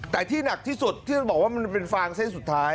แต่ที่หนักที่สุดที่ท่านบอกว่ามันเป็นฟางเส้นสุดท้าย